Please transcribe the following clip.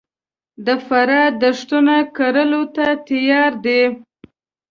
د فراه دښتونه کرلو ته تیار دي